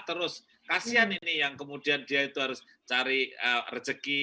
terus kasian ini yang kemudian dia itu harus cari rezeki